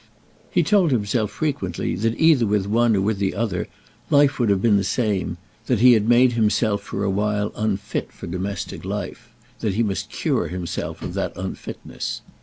He told himself frequently that either with one or with the other life would have been the same; that he had made himself for a while unfit for domestic life, and that he must cure himself of that unfitness.